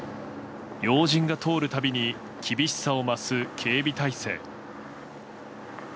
要人が通るたびに厳しさを増す警備態勢。